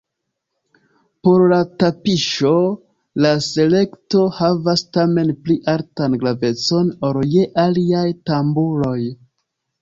Pro la tapiŝo la selekto havas tamen pli altan gravecon ol je aliaj tamburoj.